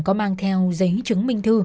có mang theo giấy chứng minh thư